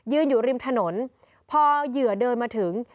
อยู่ริมถนนพอเหยื่อเดินมาถึง